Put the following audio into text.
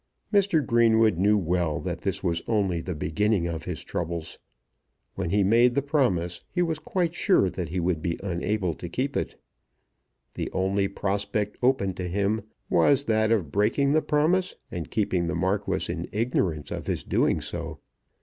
Mr. Greenwood knew well that this was only the beginning of his troubles. When he made the promise he was quite sure that he would be unable to keep it. The only prospect open to him was that of breaking the promise and keeping the Marquis in ignorance of his doing so.